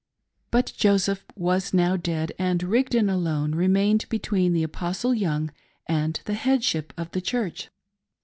But Joseph was now dead> and Rigdon alone remained between the Apostle Young and the headship of the Church.